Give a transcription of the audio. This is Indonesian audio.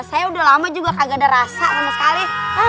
saya udah lama juga kagak ada rasa sama sekali